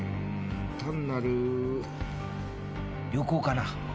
単なる旅行かな？